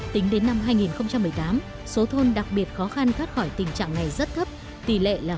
tính đến năm hai nghìn một mươi tám số thôn đặc biệt khó khăn thoát khỏi tình trạng này rất thấp tỷ lệ là năm mươi một